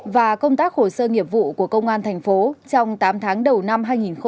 và công tác hồ sơ nghiệp vụ của công an thành phố trong tám tháng đầu năm hai nghìn hai mươi